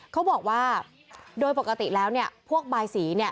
เขาบอกว่าโดยปกติแล้วเนี่ยพวกบายสีเนี่ย